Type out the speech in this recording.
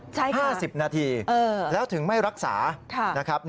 ใช่ค่ะ๕๐นาทีแล้วถึงไม่รักษา